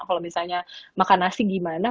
kalau misalnya makan nasi gimana